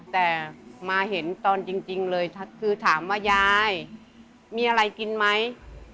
แต่มาเห็นตอนจริงเลยคือถามว่ายายมีอะไรกินไหม